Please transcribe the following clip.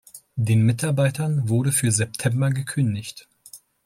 Den Mitarbeitern wurde für September gekündigt.